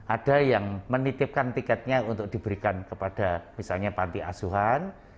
ada yang menitipkan tiketnya untuk diberikan kepada misalnya panti asuhan